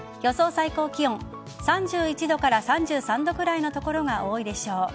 最高気温３１度から３３度くらいの所が多いでしょう。